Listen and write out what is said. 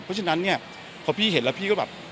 เพราะฉะนั้นเนี่ยพอพี่เห็นแล้วพี่ก็แบบ